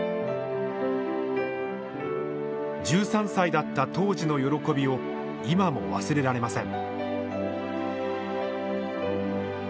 １３歳だった当時の喜びを今も忘れられません。